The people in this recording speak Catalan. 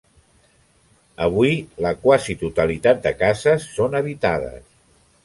Avui la quasi totalitat de cases són habitades.